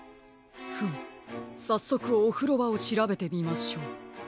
フムさっそくおふろばをしらべてみましょう。